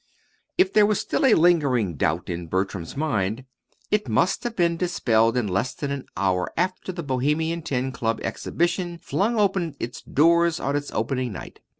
If there was still a lingering doubt in Bertram's mind, it must have been dispelled in less than an hour after the Bohemian Ten Club Exhibition flung open its doors on its opening night.